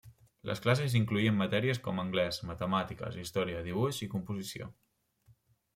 Les classes incloïen matèries com anglès, matemàtiques, història, dibuix i composició.